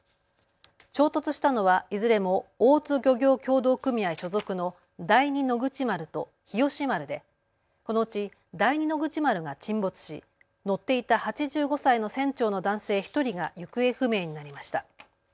衝突したのはいずれも大津漁業協同組合所属の第二野口丸と日吉丸でこのうち第二野口丸が沈没し乗っていた８５歳の船長の男性１人が行方不明になりました。